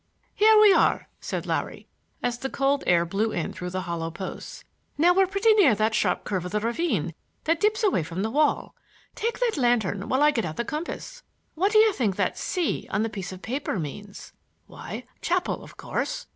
"Here we are," said Larry, as the cold air blew in through the hollow posts. "Now we're pretty near that sharp curve of the ravine that dips away from the wall. Take the lantern while I get out the compass. What do you think that C on the piece of paper means? Why, chapel, of course.